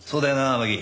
天樹？